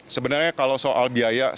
sebenarnya kalau soal biaya